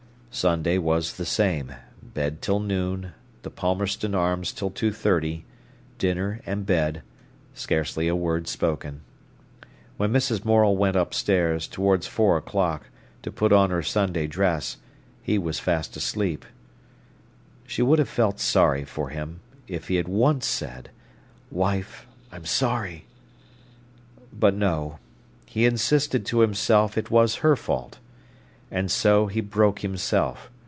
Sunday was the same: bed till noon, the Palmerston Arms till 2.30, dinner, and bed; scarcely a word spoken. When Mrs. Morel went upstairs, towards four o'clock, to put on her Sunday dress, he was fast asleep. She would have felt sorry for him, if he had once said, "Wife, I'm sorry." But no; he insisted to himself it was her fault. And so he broke himself.